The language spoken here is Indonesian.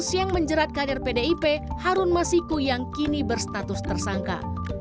kasus yang menjeratkan rpdip harun masiku yang kini berstatus tersangka